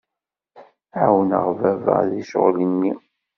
Ɛawneɣ baba deg ccɣel-nni.